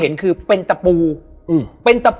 แล้วสักครั้งหนึ่งเขารู้สึกอึดอัดที่หน้าอก